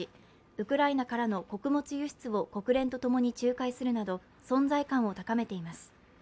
ウクライナからの穀物輸出を国連と共に仲介するなど存在感を高めています。